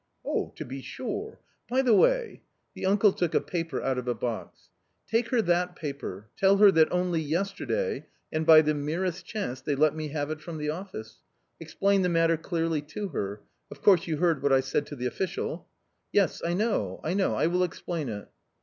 "Oh, to be sure; by the way " The uncle took a paper out of a box. "Take her that paper, tell her that only yesterday and by the merest chance they let me have it from the office ; explain the matter clearly to her ; of course you heard what I said to the official ?"" Yes, I know, I know, I will explain it."